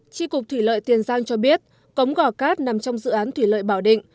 tri cục thủy lợi tiền giang cho biết cống gò cát nằm trong dự án thủy lợi bảo định